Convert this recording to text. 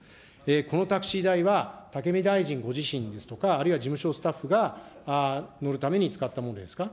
このタクシー代は、武見大臣ご自身ですとか、あるいは事務所スタッフが乗るために使ったものですか。